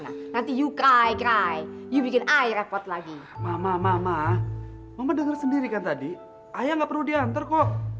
maaf mbak mbak gak boleh masuk